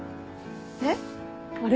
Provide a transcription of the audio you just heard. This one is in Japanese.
えっ？あれ？